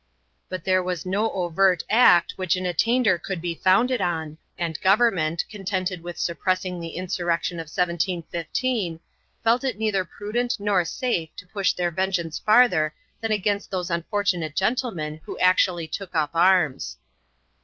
But there was no overt act which an attainder could be founded on, and government, contented with suppressing the insurrection of 1715, felt it neither prudent nor safe to push their vengeance farther than against those unfortunate gentlemen who actually took up arms.